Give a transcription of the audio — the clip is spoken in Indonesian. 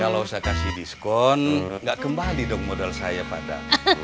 kalau saya kasih diskon nggak kembali dong modal saya pada